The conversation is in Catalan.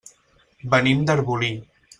Venim d'Arbolí.